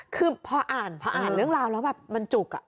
คือพออ่านเรื่องราวแล้วมันจุกอ่ะ